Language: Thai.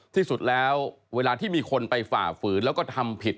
ที่สุดแล้วเวลาที่มีคนไปฝ่าฝืนแล้วก็ทำผิด